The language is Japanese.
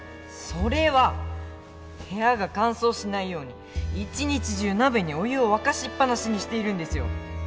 それは部屋が乾燥しないように一日中鍋にお湯を沸かしっ放しにしているんですよ。